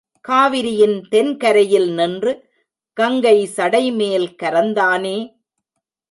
காவிரியின் தென் கரையில் நின்று, கங்கை சடைமேல் கரந்தானே!